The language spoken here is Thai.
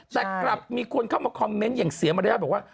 แต่กลับมีคนเข้ามาคอมเมนต์อย่างเสียมารยาทบอกว่า